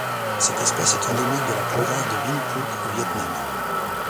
Cette espèce est endémique de la province de Vĩnh Phúc au Viêt Nam.